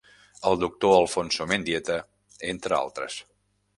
El doctor Alfonso Mendieta, entre altres.